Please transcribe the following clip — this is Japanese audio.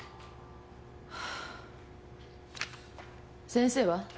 先生は？